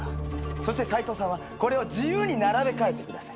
そしてサイトウさんはこれを自由に並べ替えてください。